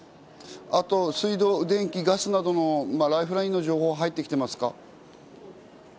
水道や電気やガスなどライフラインの情報は入ってきていますか？